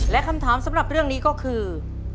และคำถามสำหรับเรื่องนี้ก็คือ